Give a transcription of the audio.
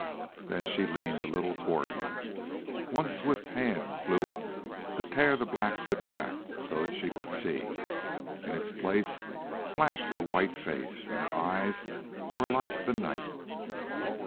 Then she leaned a little toward him. One swift hand flew up to tear the black hood back so that she could see. In its place flashed her white face. And her eyes were like the night.